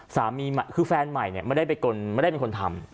สามีคือแฟนใหม่เนี่ยไม่ได้เป็นคนทำ